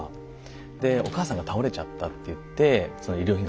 で「お母さんが倒れちゃった」っていって「医療品が欲しい」。